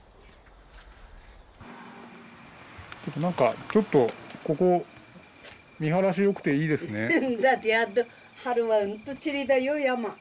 何かちょっとここ見晴らしよくていいですね。